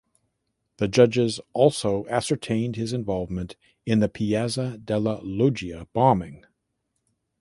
The judges also ascertained his involvement in the Piazza Della Loggia bombing.